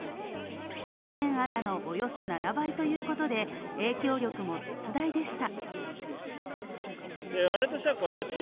ハセンアナのおよそ７倍ということで、影響力も絶大でした。